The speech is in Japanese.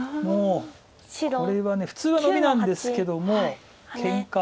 これは普通はノビなんですけどもけんか。